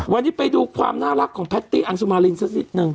วันนี้ไปดูความน่ารักของแพตตี้อังสุมารินสักนิดนึง